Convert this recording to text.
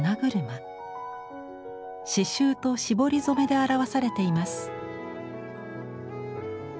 刺繍と絞り染めで表されています。